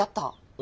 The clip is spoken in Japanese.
え。